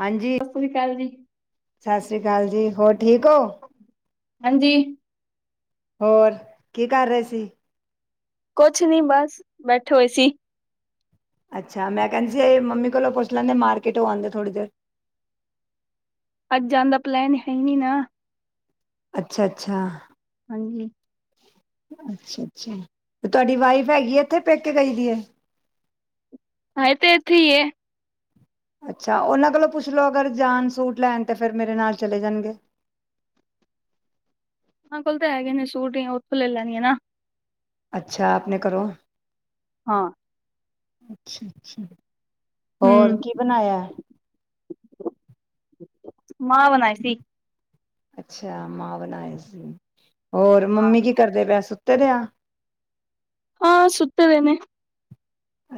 ਹਾਂਜੀ- ਸਤਿ ਸ੍ਰੀ ਅਕਾਲ ਜੀ, ਸਾਸਰੀ ਕਾਲ ਜੀ ਹੋਰ ਠੀਕ ਹੋ। ਹਾਂਜੀ। ਹੋਰ -ਕੀ ਕਰ ਰਏ ਸੀ। ਕੁਛ ਨੀ ਬਸ ਬੈਠੇ ਹੋਏ ਸੀ। ਅੱਛਾ- ਮੈਂ ਕੇੰਦੀ ਸੀ ਇਹ ਮੰਮੀ ਕੋਲੋਂ ਪੁੱਛ ਲੈਂਦੇ ਮਾਰਕੀਟ ਤੋਂ ਆਂਦੇ ਥੋੜ੍ਹੀ ਦੇਰ। ਜਾਣ ਦਾ ਪਲੈਨ ਹੈ ਨੀ ਨਾ। ਅੱਛਾ ਅੱਛਾ ਹਾਂਜੀ ਅੱਛਾ -ਅੱਛਾ ਤੇ ਤੁਹਾਡੀ ਵਾਈਫ ਹੈਗੀ ਏਥੇ, ਪੇਕੇ ਗਈ ਦੀ ਐ। ਹੇ ਤੇ ਏਥੇ ਈ ਏ। ਅੱਛਾ ਉਹਨਾਂ ਕੋਲੋਂ ਪੁੱਛ ਲੋ ਅਗਰ ਜਾਣ ਸੂਟ ਲੈਣ ਤੇ ਫੇਰ ਮੇਰੇ ਨਾਲ ਚਲੇ ਜਾਣਗੇ। ਹਾਂ ਕੋਲ ਤਾਂ ਹੈਗੇ ਨੇ ਸੂਟ ਜਾਂ ਉੱਥੋਂ ਲਲਣ ਗਏ ਨਾ। ਅੱਛਾ ਆਪਣੇ ਘਰੋਂ ਹਾਂ ਅੱਛਾ ਅੱਛਾ ਹੋਰ ਹੂੰ, ਕੀ ਬਣਾਇਆ । ਮਾਂਹ ਬਣਾਈ ਸੀ। ਅੱਛਾ ਮਾਂਹ ਬਣਾਏ ਸੀ। ਹੋਰ ਮੰਮੀ ਕੀ ਕਰਦੇ ਬੈਂਸ। ਤਰਿਆ। ਹਾਂ ਸੁੱਤੇ ਹੋਏ ਨੇ।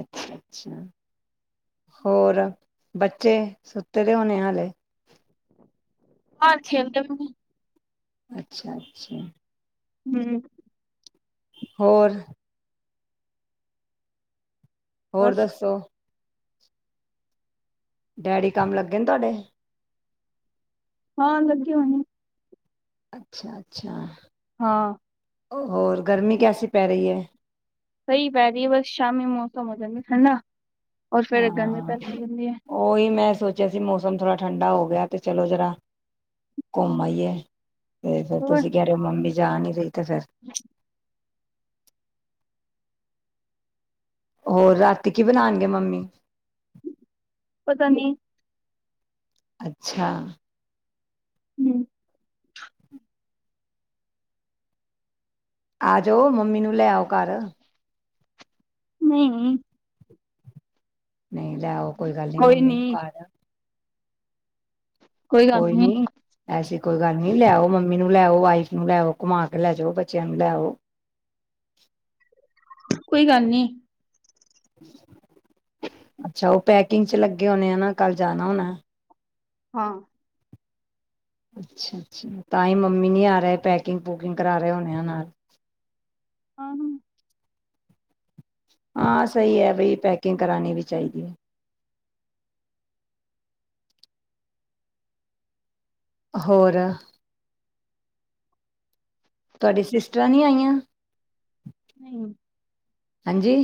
ਅੱਛਾ ਅੱਛਾ ਹੋਰ ਬੱਚੇ ਸੁੱਤੇ ਦੇ ਹੋਣੇ ਹਾਲੇ। ਹਾਂਜੀ ਅੱਛਾ ਅੱਛਾ। ਹੂੰ। ਹੋਰ। ਹੋਰ ਬਸ। ਦੱਸੋ। ਡੈਡੀ ਕੰਮ ਲੱਗੇ ਨੇ ਤੁਹਾਡੇ। ਹਾਂ ਲੱਗੇ ਹੋਏ ਨੇ। ਅੱਛਾ ਅੱਛਾ। ਹਾਂ ਔ ਹੋਰ ਗਰਮੀ ਕੈਸੀ ਪੈ ਰਹੀ ਹੈ। ਸਹੀ ਪੈ ਰਹੀ ਬਸ ਸ਼ਾਮੀ ਮੌਸਮ ਹੋ ਜਾਂਦਾ ਠੰਡਾ। ਔਰ ਫੇਰ ਗਰਮੀ ਹਾਂ ਪੈਣ ਲੱਗ ਜਾਂਦੀ ਹੈ। ਉਹੀ ਮੈਂ। ਸੋਚਿਆ ਸੀ ਮੌਸਮ ਥੋੜਾ ਠੰਡਾ ਹੋ ਗਿਆ ਤੇ ਚਲੋ ਜਰਾ ਘੁੰਮ ਆਈਏ। ਤੇ ਫਿਰ ਹੋਰ ਤੁਸੀਂ ਕਹਿ ਰਹੇ ਹੋ ਮੰਮੀ ਜਾ ਨੀਂ ਰਹੀ ਤੇ ਫਿਰ। ਹੋਰ ਰਾਤੀ ਕੀ ਬਣਾਉਣਗੇ ਮੰਮੀ। ਪਤਾ ਨੀ। ਅੱਛਾ। ਹੂੰ। ਆ ਜਾਓ ਮੰਮੀ ਨੂੰ ਲੈ ਆਉ ਘਰ। ਨਹੀਂ ਨਹੀਂ। ਨਹੀਂ ਲੈ ਆਓ ਕੋਈ ਗੱਲ ਨਹੀਂ ਮੰਮੀ ਨੂੰ ਘਰ। ਕੋਈ ਨੀ ਐਸੇ। ਕੋਈ ਗੱਲ ਨੀ ਲੈ ਆਓ ਮੰਮੀ ਨੂੰ ਲੈਓ ਵਾਈਫ ਨੂੰ ਲੈਓ ਕਮਾ ਕੇ ਲੈ ਜਾਓ ਬੱਚਿਆਂ ਨੂੰ ਲੈਓ। ਕੋਈ ਗੱਲ ਨੀ। ਅੱਛਾ ਉਹ ਪੈਕਿੰਗ ਚ ਲੱਗੇ ਹੋਣੇ ਆ ਨਾ ਕੱਲ ਜਾਣਾ ਹੋਣਾ। ਹਾਂ। ਅੱਛਾ ਅੱਛਾ ਤਾਂ ਹੀ ਮੰਮੀ ਨਹੀਂ ਆ ਰਹੇ ਪੈਕਿੰਗ ਪੂਕਿੰਗ ਕਰਾ ਰਹੇ ਹੋਣੇ ਆ ਨਾਲ। ਆਹ ਹੂੰ। ਹਾਂ ਸਹੀ ਹੈ ਬਈ ਪੈਕਿੰਗ ਕਰਾਣੀ ਵੀ ਚਾਹੀਦੀ ਹੈ। ਹੋਰ। ਤੁਹਾਡੀਆਂ ਸਿਸਟਰਾਂ ਨੀ ਆਈਆਂ। ਨਹੀਂ। ਹਾਂਜੀ।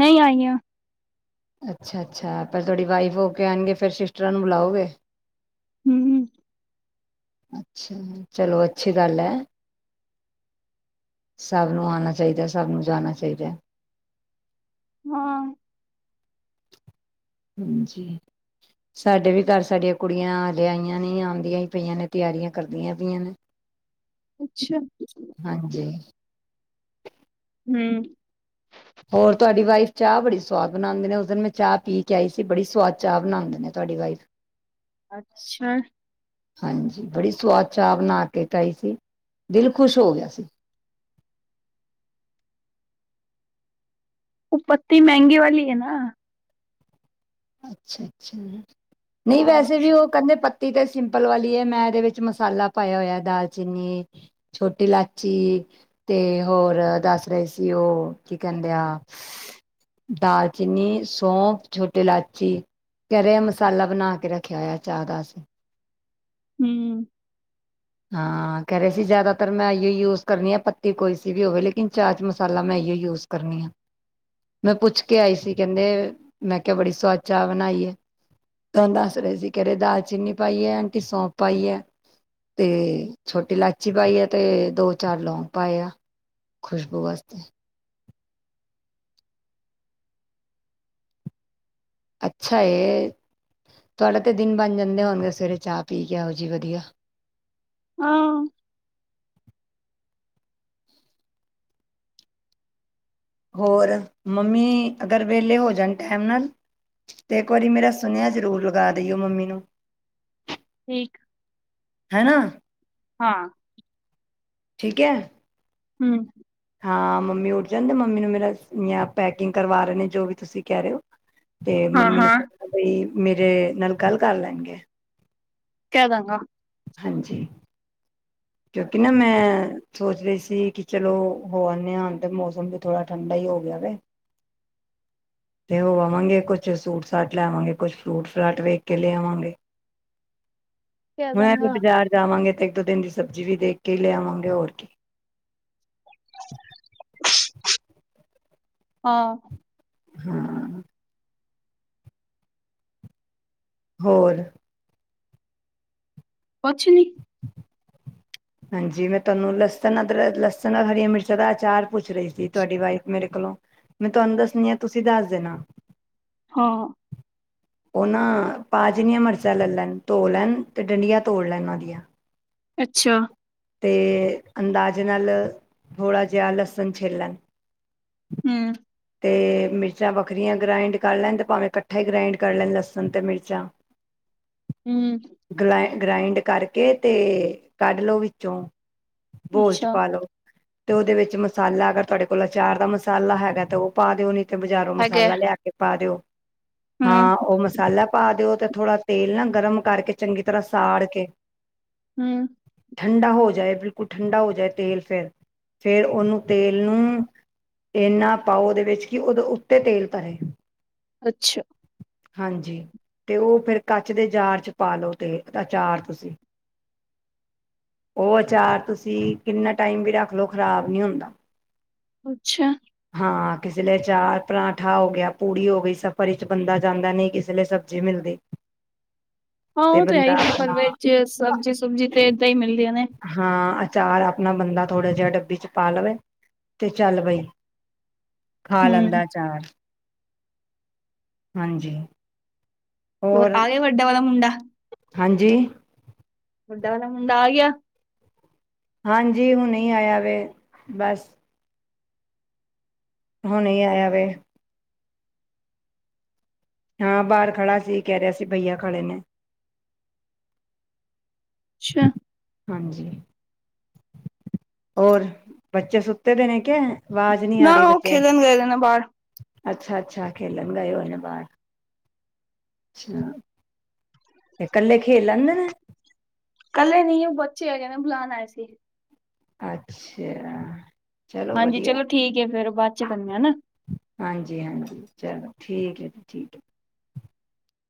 ਨਹੀਂ ਆਈਆਂ। ਅੱਛਾ ਅੱਛਾ ਪਰ ਤੁਹਾਡੀ ਵਾਈਫ ਹੋ ਕੇ ਆਉਣਗੇ ਫਿਰ ਸਿਸਟਰਾਂ ਨੂੰ ਬੁਲਾਓਗੇ। ਹੂੰ ਹੂੰ। ਅੱਛਾ ਚਲੋ ਅੱਛੀ ਗੱਲ ਹੈ ਸਭ ਨੂੰ ਆਉਣਾ ਚਾਹੀਦਾ ਸਭ ਨੂੰ ਜਾਣਾ ਚਾਹੀਦਾ। ਹਾਂ। ਹਾਂਜੀ ਸਾਡੇ ਵੀ ਘਰ ਸਾਡੀਆਂ ਕੁੜੀਆਂ ਲਿਆਈਆਂ ਨੇ ਆਉਂਦੀਆਂ ਹੀ ਪਈਆਂ ਨੇ ਤਿਆਰੀਆਂ ਕਰਦੀਆਂ ਪਈਆਂ ਨੇ। ਅੱਛਾ। ਹਾਂਜੀ ਹਮ। ਹੋਰ ਤੁਹਾਡੀ ਵਾਈਫ ਚਾਹ ਬੜੀ ਸਵਾਦ ਬਣਾਉਂਦੇ ਨੇ ਉਸ ਦਿਨ ਮੈਂ ਚਾਹ ਪੀ ਕੇ ਆਈ ਸੀ ਬੜੀ ਸਵਾਦ ਚਾਹ ਬਣਾਉਂਦੇ ਨੇ ਤੁਹਾਡੀ ਵਾਈਫ। ਅੱਛਾ। ਹਾਂਜੀ ਬੜੀ ਸਆਦ ਚਾ ਬਣਾ ਕੇ ਪਿਆਈ ਸੀ ਦਿਲ ਖੁਸ਼ ਹੋ ਗਿਆ ਸੀ। ਉਹ ਪੱਤੀ ਮਹਿੰਗੀ ਵਾਲੀ ਐ ਨਾ। ਅੱਛਾ ਅੱਛਾ। ਨਹੀਂ ਵੈਸੇ ਵੀ ਉਹ ਕਹਿੰਦੇ ਪਤ ਪੱਤੀ ਤੀ ਤੇ ਸਿੰਪਲ ਵਾਲੀ ਹੈ ਮੈਂ ਇਹਦੇ ਵਿੱਚ ਮਸਾਲਾ ਪਾਇਆ ਹੋਇਆ ਦਾਲਚੀਨੀ ਛੋਟੀ ਇਲਾਚੀ ਤੇ ਹੋਰ ਦੱਸ ਰਹੇ ਸੀ ਉਹ ਕੀ ਕਹਿੰਦੇ ਆ ਦਾਲਚੀਨੀ ਸੌਫ ਛੋਟ ਇਲਾਚੀ ਕੇਹਰੇ ਮਸਾਲਾ ਬਣਾ ਕੇ ਰੱਖਿਆ ਹੋਇਆ ਚਾਹ ਦਾ ਅਸੀਂ। ਹਮ। ਹਾਂ ਕਹਿ ਰਹੇ ਸੀ ਜ਼ਿਆਦਾਤਰ ਮੈਂ ਇਹੀ ਯੂਸ ਕਰਨੀ ਆ ਪੱਤੀ ਕੋਈ ਸੀ ਵੀ ਹੋਵੇ ਲੇਕਿਨ ਚਾਹ ਚ ਮਸਾਲਾ ਮੈਂ ਐਹੀ ਯੂਸ ਕਰਨੀ ਆ ਮੈਂ ਪੁੱਛ ਕੇ ਆਈ ਸੀ ਕਹਿੰਦੇ ਮੈਂ ਕਿਹਾ ਬੜੀ ਸਆਦ ਚਾਹ ਬਣਾਈ ਹੈ ਤੁਹਾਨੂੰ ਦੱਸ ਰਹੇ ਸੀ ਕਹਿ ਰਹੇ ਦਾਲਚੀਨੀ ਪਾਈ ਹੈ ਆਂਟੀ ਸੌਂਪ ਪਾਈ ਹੈ। ਤੇ ਛੋਟੀ ਇਲਾਚੀ ਪਾਈ ਆ ਤੇ ਦੋ ਚਾਰ ਲੌਂਗ ਪਾਂਏ ਆ ਖੁਸ਼ਬੂ ਵਾਸਤੇ। ਅੱਛਾ ਏ ਤੁਹਾਡਾ ਤੇ ਦਿਨ ਬਣ ਜਾਂਦੇ ਹੋਣਗੇ ਸਵੇਰੇ ਚਾਹ ਪੀ ਕੇ ਆ ਉਹ ਜੀ ਵਧੀਆ। ਹਾਂ। ਹੋਰ ਮੰਮੀ ਅਗਰ ਵਿਹਲੇ ਹੋ ਜਾਣ ਟਾਈਮ ਨਾਲ ਤੇ ਇੱਕ ਵਾਰੀ ਮੇਰਾ ਸੁਨੇਹਾ ਜ਼ਰੂਰ ਲਗਾ ਦੇਈਓ ਮੰਮੀ ਨੂੰ। ਠੀਕ। ਹੈ ਨਾ। ਹਾਂ। ਠੀਕ ਹੈ। ਹਮ। ਹਾਂ ਮੰਮੀ ਉੱਠ ਜਾਣ ਮੰਮੀ ਨੂੰ ਮੇਰਾ ਪੈਕਿੰਗ ਕਰਵਾ ਰਹੇ ਨੇ ਜੋ ਵੀ ਤੁਸੀਂ ਕਹਿ ਰਹੇ ਹੋ ਤੇ ਮੰਮੀ ਨੂੰ ਕਹਿਣਾ ਬਈ ਮੇਰੇ ਨਾਲ ਗੱਲ ਕਰ ਲੈਣਗੇ। ਕਹਿ ਦਾਂਗਾ। ਹਾਂਜੀ। ਕਿਉਂਕਿ ਨਾ ਮੈਂ ਸੋਚ ਰਹੀ ਸੀ ਕੀ ਚਲੋ ਹੋ ਆਨੇ ਆ ਤੇ ਮੌਸਮ ਵੀ ਥੋੜ੍ਹਾ ਠੰਢਾ ਹੀ ਹੋ ਗਿਆ ਵੇ ਤੇ ਹੋ ਆਵਾਂਗੇ ਕੁਛ ਸੂਟ ਸਾਟ ਲੈਵਾਂਗੇ ਕੁਛ ਫਰੂਟ ਫਰਾਟ ਵੇਖ ਕੇ ਲੈ ਆਵਾਂਗੇ। ਮੈਂ ਫ ਬਾਜ਼ਾਰ ਜਾਵਾਂਗੇ। ਇੱਕ ਦੋ ਦੀਨ ਦੀ ਸਬਜ਼ੀ ਵੀ ਦੇਖ ਕੇ ਹੀ ਲਿਆਵਾਂਗੇ ਹੋਰ ਕੀ। ਹਾਂ। ਹਾਂ। ਹੋਰ ਕੁਛ ਨੀ। ਹਾਂਜੀ ਮੈਂ ਤੁਹਾਨੂੰ ਲਸਣ ਅਦਰਕ ਲਸਣ ਹਰੀਆਂ ਮਿਰਚਾਂ ਦਾ ਅਚਾਰ ਪੁੱਛ ਰਹੀ ਸੀ ਤੁਹਾਡੀ ਵਾਈਫ ਮੇਰੇ ਕੋਲੋਂ। ਮੈਂ ਤੁਹਾਨੂੰ ਦੱਸਣੀ ਆ ਤੁਸੀਂ ਦੱਸ ਦੇਣਾ। ਹਾਂ। ਉਹ ਨਾ ਪਾ ਜਣੀਆਂ ਮਰਚਾਂ ਲੈ ਲੈਣ ਧੋ ਲੈਣ ਤੇ ਡੰਡੀਆਂ ਤੋੜ ਲੈਣ ਉਹਦੀਆਂ। ਅੱਛਾ। ਤੇ ਅੰਦਾਜੇ ਨਾਲ ਥੋੜਾ ਜਿਹਾ ਲਸਣ ਛਿੱਲ ਲੇਣ। ਹਮ। ਅਤੇ ਮਿਰਚਾਂ ਵੱਖਰੀਆਂ ਗਰਾਾਇੰਡ ਕਰ ਲੈਣ ਅਤੇ ਭਾਵੇਂ ਇਕੱਠਾ ਹੀ ਗ੍ਰਾਇੰਡ ਕਰ ਲੈਣ ਲਸਣ ਅਤੇ ਮਿਰਚਾਂ ਹੂੰ ਗਲਾਇ ਗ੍ਰਾਇੰਡ ਕਰਕੇ ਤੇ ਕੱਢ ਲੋ ਵਿੱਚੋਂ ਬੋਲ ਚ ਅੱਛਾ ਪਾਲੋ ਤੇ ਉਹਦੇ ਵਿੱਚ ਮਸਾਲਾ ਅਗਰ ਤੁਹਾਡੇ ਕੋਲ ਆਚਾਰ ਦਾ ਮਸਾਲਾ ਹੈਗਾ ਤੇ ਉਹ ਪਾ ਦਿਓ ਬਾਜ਼ਾਰੋਂ ਹੈਗਾ ਮਸਾਲਾ ਲਿਆ ਕੇ ਪਾ ਦਿਓ ਹੂੰ ਹਾਂ ਉਹ ਮਸਾਲਾ ਪਾ ਦਿਓ ਤੇ ਥੋੜਾ ਤੇਲ ਨਾ ਗਰਮ ਕਰਕੇ ਚੰਗੀ ਤਰ੍ਹਾਂ ਸਾੜ ਕੇ ਹੂੰ ਠੰਡਾ ਹੋ ਜਾਏ ਬਿਲਕੁਲ ਠੰਡਾ ਹੋ ਜਾਏ ਤੇਲ ਫਿਰ ਫੇਰ ਉਹਨੂੰ ਤੇਲ ਨੂੰ ਇੰਨਾ ਪਾਓ ਉਹਦੇ ਵਿੱਚ ਕਿ ਉਹਦੇ ਉੱਤੇ ਤੇਲ ਤਰੇ ਅੱਛਾ। ਹਾਂਜੀ ਤੇ ਉਹ ਫਿਰ ਕੱਚ ਦੇ ਜਾਰ ਚ ਪਾ ਲਓ ਤੇ ਅਚਾਰ ਤੁਸੀਂ ਉਹ ਅਚਾਰ ਤੁਸੀਂ ਕਿੰਨਾ ਟਾਈਮ ਵੀ ਰੱਖ ਲਓ ਖ਼ਰਾਬ ਨੀ ਹੁੰਦਾ ਅੱਛਾ। ਹਾਂ ਕਿਸੇ ਲਈ ਚਾਹ ਪਰਾਂਠਾ ਹੋ ਗਿਆ ਪੂੜੀ ਹੋ ਗਈ ਸਫ਼ਰ ਵਿਚ ਬੰਦਾ ਜਾਂਦਾ ਨਹੀਂ ਕਿਸੇ ਲਈ ਸਬਜ਼ੀ ਮਿਲਦੀ ਹਾਂ ਉਹ ਤੇ ਹੈ ਬੰਦਾ ਹੀ ਸਫ਼ਰ ਆਪਣਾ ਵਿੱਚ ਸਬਜ਼ੀ ਸੁਬਜੀ ਤੇ ਏਦਾਂ ਈ ਮਿਲਦੀਆਂ ਨੇ ਚਾਰ ਆਪਣਾ ਬੰਦਾ ਥੋੜ੍ਹਾ ਜਿਹਾ ਡੱਬੀ ਚ ਪਾ ਲਵੇ ਤੇ ਚੱਲ ਬਈ ਖਾ ਲੈਂਦਾ ਹੂੰ ਆਚਾਰ ਹਾਂਜੀ ਹੋਰ ਆ ਗਿਆ ਵੱਡੇ ਵਾਲਾ ਮੁੰਡਾ ਹਾਂਜੀ ਵੱਡਾ ਵੱਲ ਮੁੰਡਾ ਆ ਗਿਆ ਹਾਂਜੀ ਹੁਣ ਹੀ ਆਇਆ ਵੇ ਬਸ ਹੁਨੀ ਆਇਆ ਵੇ ਹਾਂ ਬਾਹਰ ਖੜਾ ਸੀ ਕਹਿ ਰਿਹਾ ਸੀ ਬਈਆ ਖੜੇ ਨੇ ਅੱਛਾ ਹਾਂਜੀ ਹੋਰ ਬੱਚੇ ਸੁੱਤੇ ਦੇ ਨੇ ਕਿ ਨਾ ਉਹ ਖੇਡਣ ਗਏਦੇ ਨੇ ਬਾਹਰ ਨੂੰ ਅੱਛਾ ਅੱਛਾ ਖੇਲਣ ਗਏ ਹੋਏ ਨੇ ਬਾਹਰ ਅੱਛਾ ਤੇ ਇਕੱਲੇ ਖੇਲ ਲੈਂਦੇ ਨੇ ਇਕੱਲੇ ਨਹੀਂ ਓ ਬੱਚੇ ਹੈਗੇ ਨੇ ਬੁਲਾਾਨ ਆਏ ਸੀ ਅੱਛਾ। ਚਲੋ ਹਾਂਜੀ ਚਲੋ ਠੀਕ ਐ ਫੇਰ ਬਾ [unintelligible] ਆ ਨਾ ਹਾਂਜੀ-ਹਾਂਜੀ ਚਲੋ ਠੀਕ ਐ ਜੀ ਠੀਕ ਐ